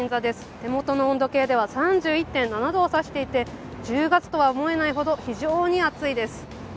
手元の温度計では３１．７度を指していて１０月とは思えないほど非常に暑いです。